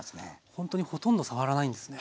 ほんとにほとんど触らないんですね。